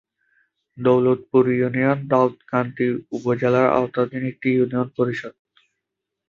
Daulatpur union Daudkandi উপজেলার আওতাধীন একটি ইউনিয়ন পরিষদ।